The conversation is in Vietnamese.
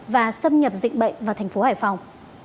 và xâm nhập dịch bệnh vào thành phố hải phòng